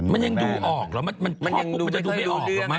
มันยังดูออกเหรอมันจะดูไม่ออกเหรอมั้ง